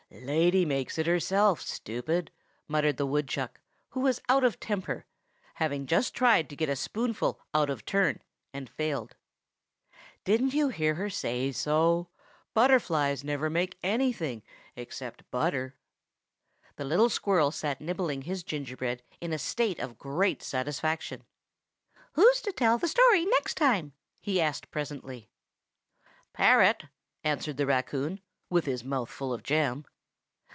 "Lady makes it herself, stupid!" muttered the woodchuck, who was out of temper, having just tried to get a spoonful out of turn, and failed. "Didn't you hear her say so? Butterflies never make anything except butter." The little squirrel sat nibbling his gingerbread in a state of great satisfaction. "Who's to tell the story next time?" he asked presently. "Parrot," answered the raccoon, with his mouth full of jam.